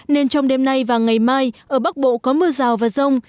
nên trong đêm nay và ngày mai ở bắc bộ có mưa rào và rông